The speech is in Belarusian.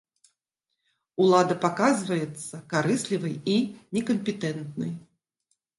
Улада паказваецца карыслівай і некампетэнтнай.